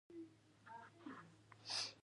زه تل ښې خبري خوښوم.